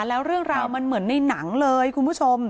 แล้วเรื่องราวมันเหมือนในหนังเลยคุณผู้ชม